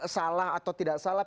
salah atau tidak salah